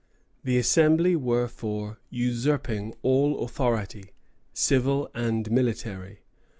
The Assembly were for usurping all authority, civil and military.